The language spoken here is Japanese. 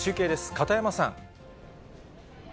片山さん。